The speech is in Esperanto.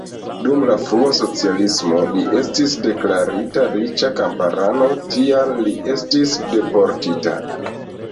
Dum la frua socialismo li estis deklarita riĉa kamparano, tial li estis deportita.